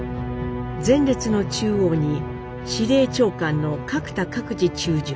前列の中央に司令長官の角田覚治中将